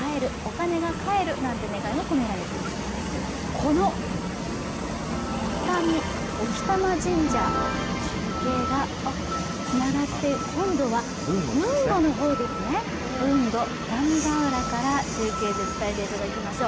この二見興玉神社、中継がつながって、今度は豊後の方ですね、豊後二見ヶ浦から中継で伝えていただきましょう。